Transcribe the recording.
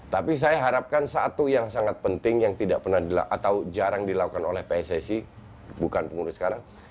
tapi saya harapkan satu yang sangat penting yang tidak pernah atau jarang dilakukan oleh pssi bukan pengurus sekarang